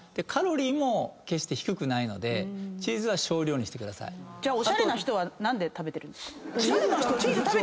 カロリーも決して低くないのでチーズは少量にしてください。じゃあおしゃれな人は何で食べてるんですか？